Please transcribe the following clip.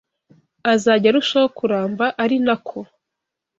azajya arushaho kuramba ari na ko